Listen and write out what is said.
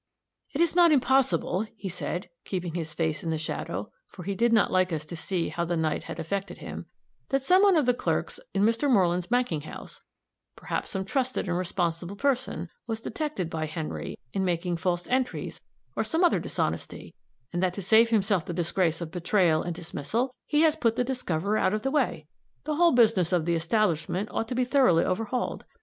"It is not impossible," he said, keeping his face in the shadow, for he did not like us to see how the night had affected him, "that some one of the clerks in Mr. Moreland's banking house perhaps some trusted and responsible person was detected by Henry, in making false entries, or some other dishonesty and that to save himself the disgrace of betrayal and dismissal, he has put the discoverer out of the way. The whole business of the establishment ought to be thoroughly overhauled.